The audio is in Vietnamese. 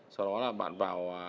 sau đó là bạn vào